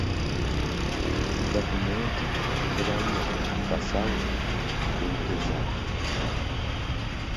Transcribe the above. Lwaki gavumenti tebalira basawo ku ssente z'abasawo?